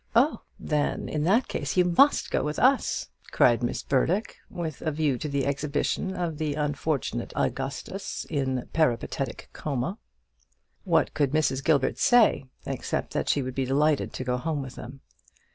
"Oh, then, in that case you must go with us!" cried Miss Burdock, with a view to the exhibition of the unfortunate Augustus in peripatetic coma. What could Mrs. Gilbert say, except that she would be delighted to go home with them?